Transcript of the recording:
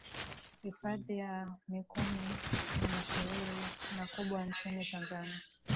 hifadhi ya mikumi ni mashuhuri na kubwa nchini tanzania